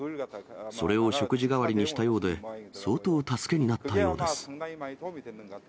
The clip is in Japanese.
それを食事代わりにしたようで、相当助けになったようです。